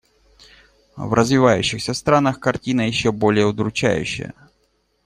В развивающихся странах картина еще более удручающая.